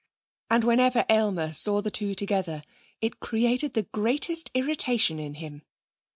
And whenever Aylmer saw the two together, it created the greatest irritation in him.